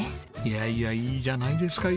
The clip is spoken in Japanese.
いやいやいいじゃないですか。